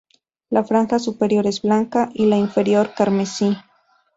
La franja superior es blanca y la inferior, carmesí.